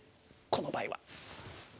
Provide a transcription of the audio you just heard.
この場合は。